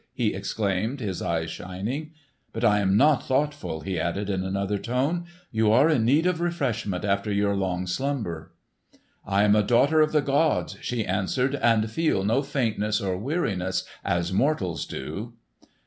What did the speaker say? he exclaimed, his eyes shining. "But, I am not thoughtful," he added in another tone. "You are in need of refreshment after your long slumber." "I am a daughter of the gods," she answered, "and feel no faintness or weariness as mortals do."